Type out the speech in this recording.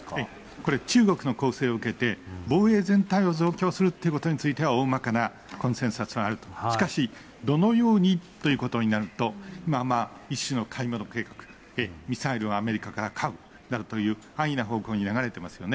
これ、中国の攻勢を受けて、防衛全体を増強するっていうことについては、大まかなコンセンサスはあると、しかし、どのようにということになると、一種の買い物、ミサイルをアメリカから買うなどという、安易な方向に流れてますよね。